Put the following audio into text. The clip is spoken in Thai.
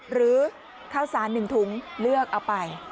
หรือข้าวสาร๑ถุงเลือกเอาไป